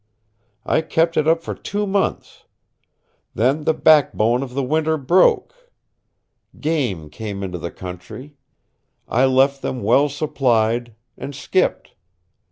I kept it up for two months. Then the back bone of the winter broke. Game came into the country I left them well supplied and skipped.